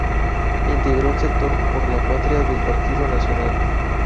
Integró el sector Por la Patria del partido Nacional.